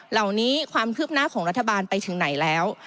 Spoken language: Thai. เหล่านี้ความคืบหน้าของรัฐบาลไปถึงไหนแล้ว